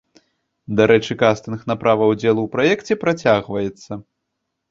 Дарэчы кастынг на права ўдзелу ў праекце працягваецца.